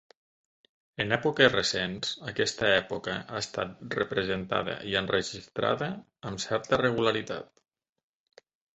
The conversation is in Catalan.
En èpoques recents aquesta època ha estat representada i enregistrada amb certa regularitat.